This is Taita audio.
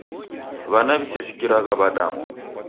W'ana w'isesikiragha w'adamwa.